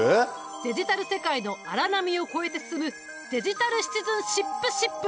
デジタル世界の荒波を越えて進むデジタルシチズンシップシップだ。